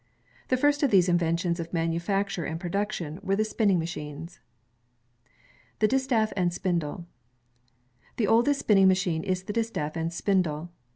The first of these inventions of manufacture and production were the spinning machines. The Distaff and Spindle The oldest spinning machine is the distaff and spindle.